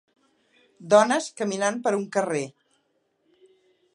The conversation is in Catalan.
Dones caminant per un carrer.